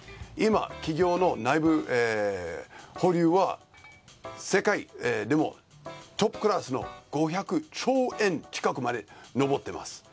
今、企業の内部交流は世界でもトップクラスの５００兆円近くまで上っています。